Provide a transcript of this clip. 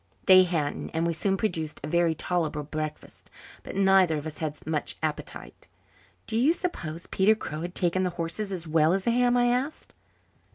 They hadn't, and we soon produced a very tolerable breakfast. But neither of us had much appetite. "Do you suppose Peter Crow has taken the horses as well as the ham?" I asked.